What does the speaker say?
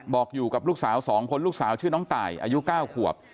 บอกอยู่กับลูกสาว๒คนลูกสาวชื่อน้องตายอายุ๙ขวบ